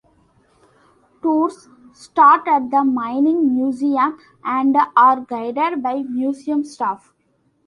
Tours start at the Mining Museum, and are guided by museum staff.